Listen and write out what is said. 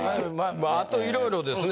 あといろいろですね